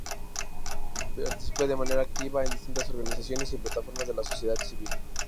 Participa de manera activa en distintas organizaciones y plataformas de la sociedad civil.